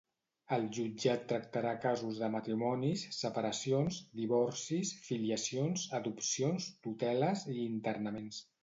El jutjat tractarà casos de matrimonis, separacions, divorcis, filiacions, adopcions, tuteles i internaments.